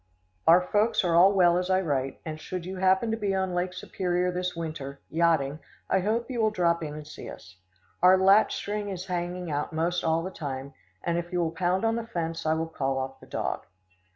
Our folks are all well as I write, and should you happen to be on Lake Superior this winter, yachting, I hope you will drop in and see us. Our latch string is hanging out most all the time, and if you will pound on the fence I will call off the dog.